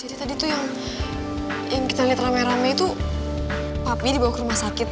jadi tadi tuh yang kita liat rame rame itu papi dibawa ke rumah sakit